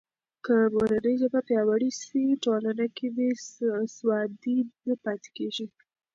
که مورنۍ ژبه پیاوړې سي، ټولنه کې بې سوادي نه پاتې کېږي.